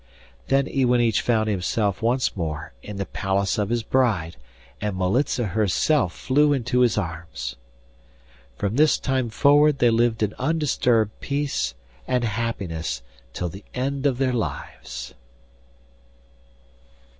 Then Iwanich found himself once more in the palace of his bride, and Militza herself flew into his arms. From this time forward they lived in undisturbed peace and happiness till the end of their lives.